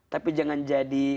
tapi jangan jadi